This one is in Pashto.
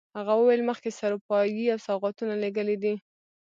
هغه وویل مخکې سروپايي او سوغاتونه لېږلي دي.